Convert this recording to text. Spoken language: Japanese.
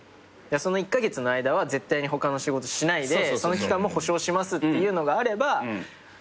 その１カ月の間は絶対に他の仕事しないでその期間も保証しますっていうのがあればやれると思うんだよ。